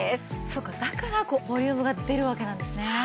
そうかだからボリュームが出るわけなんですね。